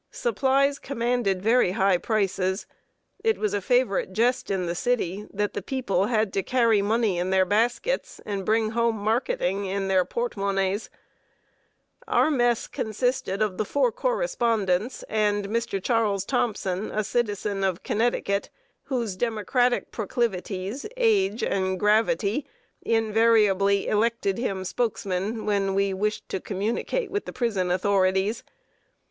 Supplies commanded very high prices; it was a favorite jest in the city, that the people had to carry money in their baskets and bring home marketing in their porte monnaies. Our mess consisted of the four correspondents and Mr. Charles Thompson, a citizen of Connecticut, whose Democratic proclivities, age, and gravity, invariably elected him spokesman when we wished to communicate with the prison authorities.